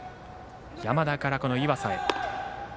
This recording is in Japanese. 山田から岩佐へ。